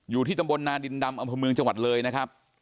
อยู่ที่ตำบลนาดินดำอำเภอเมืองจังหวัดเลยนะครับ